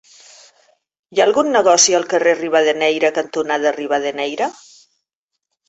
Hi ha algun negoci al carrer Rivadeneyra cantonada Rivadeneyra?